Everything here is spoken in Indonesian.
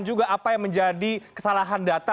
juga apa yang menjadi kesalahan data